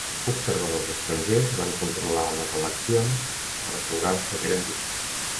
Observadors estrangers van controlar les eleccions per assegurar-se que eren justes.